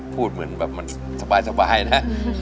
พูดเหมือนแบบมันสบายนะ